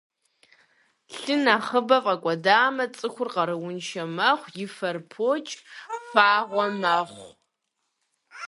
Лъы нэхъыбэ фӏэкӏуэдамэ, цӏыхур къарууншэ мэхъу, и фэр покӏ, фагъуэ мэхъу.